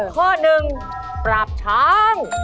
ข้อหนึ่งปราบช้าง